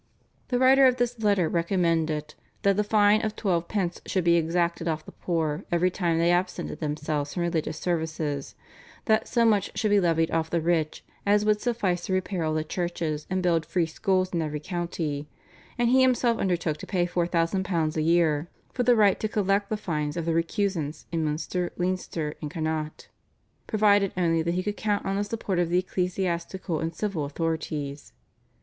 The writer of this letter recommended that the fine of twelve pence should be exacted off the poor every time they absented themselves from religious services, that so much should be levied off the rich as would suffice to repair all the churches and build free schools in every county, and he himself undertook to pay £4,000 a year for the right to collect the fines of the "Recusants" in Munster, Leinster, and Connaught, provided only that he could count on the support of the ecclesiastical and civil authorities.